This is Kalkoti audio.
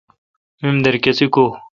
میمدر کسے کو°